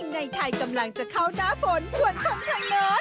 ในไทยกำลังจะเข้าหน้าฝนส่วนคนไทยนั้น